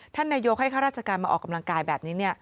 ท่านนายกให้ข้าราชการมาออกกำลังกายแบบนี้